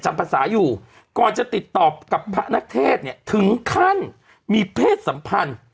ภาษาอยู่ก่อนจะติดต่อกับพระนักเทศเนี่ยถึงขั้นมีเพศสัมพันธ์